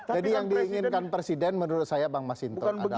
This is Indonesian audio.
jadi yang diinginkan presiden menurut saya bang masinto adalah